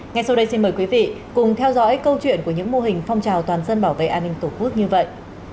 ngay sau đây xin mời quý vị cùng theo dõi câu chuyện của những mô hình phong trào toàn dân bảo vệ an ninh tổ quốc như vậy